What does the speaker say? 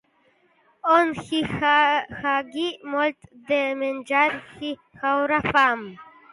On hi hagi molt de menjar, hi haurà fam?